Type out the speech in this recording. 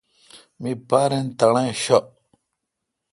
می پارن تݨے ° ݭہ